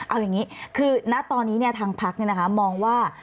เอาอย่างนี้คือณตอนนี้ทางพักมองว่า